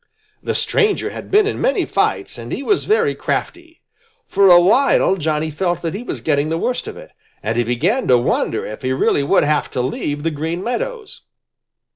The stranger had been in many fights and he was very crafty. For a while Johnny felt that he was getting the worst of it, and he began to wonder if he really would have to leave the Green Meadows.